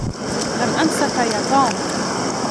لم أنسك يا توم.